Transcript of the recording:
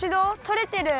とれてる？